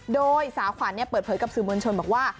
โดยสาวขวัญเปิดเผยกับสื่อมวลชนบอกว่า